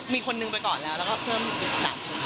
มีคนนึงไปก่อนแล้วแล้วก็เพิ่มอีก๓คน